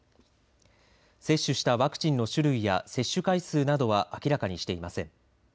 接種したワクチンの種類や接種回数などは明らかにしていません。